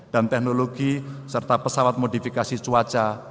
dan teknologi serta pesawat modifikasi cuaca